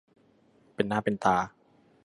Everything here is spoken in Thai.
เป็นหน้าเป็นตา